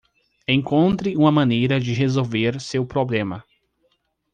Encontre uma maneira de resolver seu problema